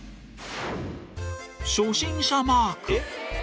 初心者マーク。